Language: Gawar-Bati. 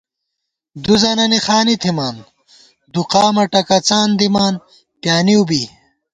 دُوزَنَنی خانی تھِمان دُو قامہ ٹکَڅان دِمان پیانِؤ بی